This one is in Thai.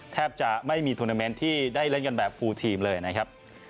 แทบจะไม่มีทูนาเมนต์ที่ได้เล่นกันแบบฟูลทีมเลยนะครับ